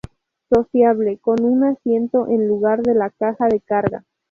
Sociable", con un asiento en lugar de la caja de carga.